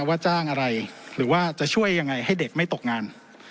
ว่าจ้างอะไรหรือว่าจะช่วยยังไงให้เด็กไม่ตกงาน